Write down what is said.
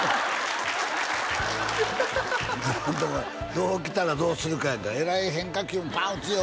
どう来たらどうするかやんかえらい変化球もパーン打つよ